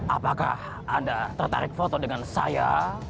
apakah anda tertarik foto dengan saya